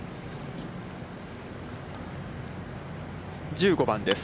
１５番です。